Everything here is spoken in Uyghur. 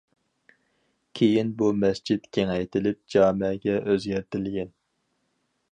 كېيىن بۇ مەسچىت كېڭەيتىلىپ جامەگە ئۆزگەرتىلگەن.